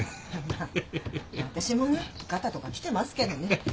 まあ私もねがたとかきてますけどね。